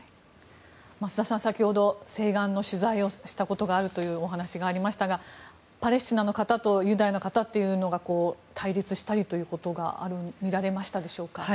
増田さん、先ほど西岸の取材をしたことあるとお話がありましたがパレスチナの方とユダヤの方というのが対立したりということが見られましたでしょうか。